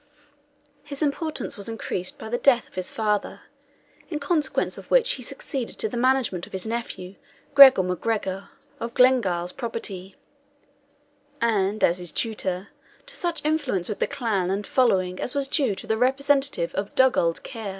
His importance was increased by the death of his father, in consequence of which he succeeded to the management of his nephew Gregor MacGregor of Glengyle's property, and, as his tutor, to such influence with the clan and following as was due to the representative of Dugald Ciar.